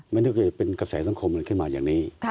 ไม่นึกว่าจะเป็นกระแสสังคมอะไรขึ้นมาจากนี้